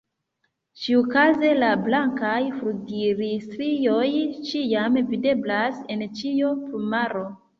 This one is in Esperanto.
Ĉiukaze la blankaj flugilstrioj ĉiam videblas en ĉiu plumaro.